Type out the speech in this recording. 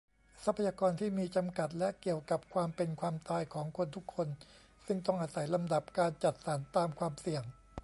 ทรัพยากรที่มีจำกัด และเกี่ยวกับความเป็นความตายของคนทุกคน ซึ่งต้องอาศัยลำดับการจัดสรรตามความเสี่ยง